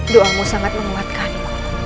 doamu sangat memuatkanku